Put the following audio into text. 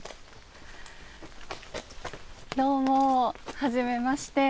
どうもはじめまして。